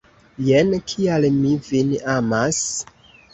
Jen kial mi vin amas!